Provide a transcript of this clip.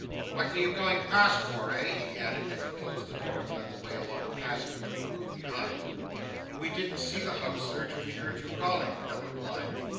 'What were you going past for, eh?' he added, as he closed the door and led the way along a passage to a room behind. 'We didn't see the house, sir, till we heard you calling,' Nell replied.